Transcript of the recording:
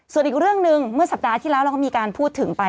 ส่วนอีกเรื่องหนึ่งเมื่อสัปดาห์ที่แล้วเราก็มีการพูดถึงไป